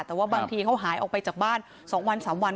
แต่ว่าบางทีเขาหายออกไปจากบ้าน๒วัน๓วัน